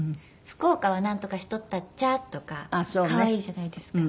福岡は「なんとかしとったっちゃ」とか可愛いじゃないですか。